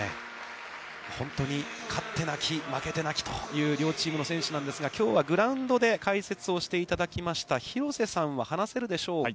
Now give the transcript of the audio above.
本当に勝って泣き、負けて泣きという両チームの選手なんですが、きょうはグラウンドで解説をしていただきました廣瀬さんは話せるでしょうか。